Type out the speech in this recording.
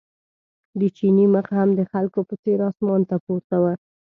د چیني مخ هم د خلکو په څېر اسمان ته پورته و.